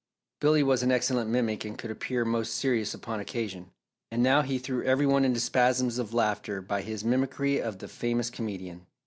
Billy was an excellent mimic and could appear most serious upon occasion, and now he threw every one into spasms of laughter by his mimicry of the famous comedian.